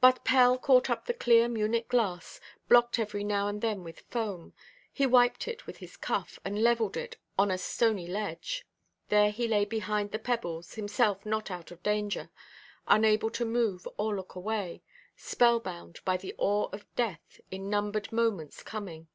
But Pell caught up the clear Munich glass, blocked every now and then with foam; he wiped it with his cuff, and levelled it on a stony ledge. There he lay behind the pebbles, himself not out of danger, unable to move, or look away, spellbound by the awe of death in numbered moments coming.